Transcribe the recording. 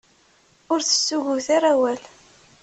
Ur tessuggut ara awal.